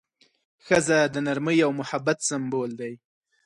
ښځه د نرمۍ او محبت سمبول ده.